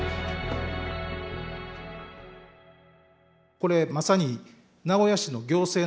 これまさに名古屋市の行政の問題で。